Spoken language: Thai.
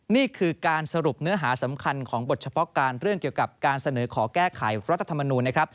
นี่คือการสรุปเนื้อหาสำคัญของบทเฉพาะการเรื่องเกี่ยวกับการเสนอขอแก้ไขรัฐธรรมนูลนะครับ